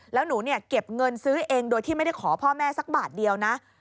แล้วหนูเนี่ยเก็บเงินซื้อเองโดยที่ไม่ได้ขอพ่อแม่สักบาทเดียวนะ